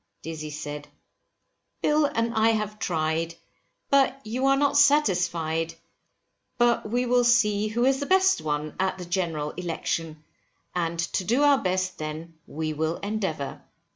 Dizzy said, Bill and I have tried, but you are not satisfied, but we will see who is the best one, at the General Election, and to do our best then we will endeavour.